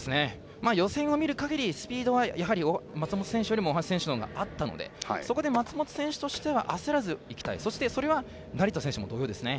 予選を見るかぎりスピードはやはり松本選手よりも大橋選手があったのでそこで松本選手としては焦らずそして、成田選手も同様ですね。